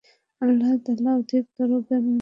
আল্লাহ তাআলাই অধিকতর জ্ঞাত।